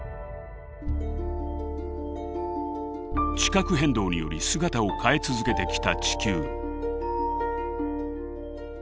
地殻変動により姿を変え続けてきた地球。